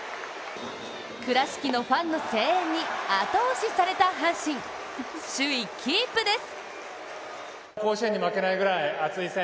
倉敷のファンの声援に後押しされた阪神、首位キープです。